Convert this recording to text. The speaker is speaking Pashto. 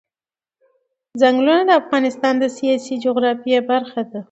چنګلونه د افغانستان د سیاسي جغرافیه برخه ده.